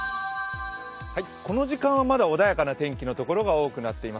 この時間はまだ穏やかな天気の所が多くなっています。